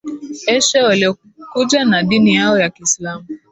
Asia waliokuja na dini yao ya Kiislamu